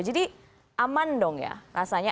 jadi aman dong ya rasanya